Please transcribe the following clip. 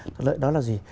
thuận lợi đó là gì